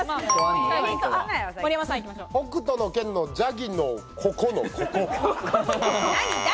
北斗の拳のジャギのここ。